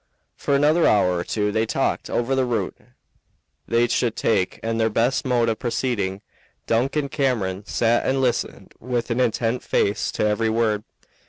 For another hour or two they talked over the route they should take and their best mode of proceeding. Duncan Cameron sat and listened with an intent face to every word.